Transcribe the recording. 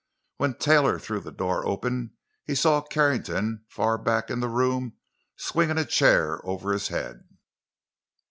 When Taylor threw the door open he saw Carrington, far back in the room, swinging a chair over his head.